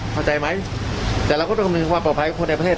ก็จะมีความปลอบภัยกับคนในประเทศ